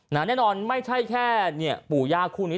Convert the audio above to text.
แน่นอนไม่ใช่แค่ปู่ย่าคู่นี้